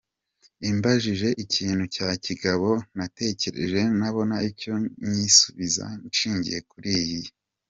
imbajije ikintu cya kigabo natekereje nabona icyo nyisubiza nshingiye kuri iyi.